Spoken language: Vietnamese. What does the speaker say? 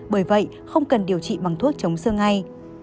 bởi vậy không cần điều trị bằng thuốc chống xương ngay